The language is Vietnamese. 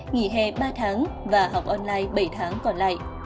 nghỉ hè ba tháng và học online bảy tháng còn lại